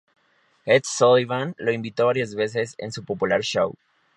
Ed Sullivan lo invitó varias veces en su popular show.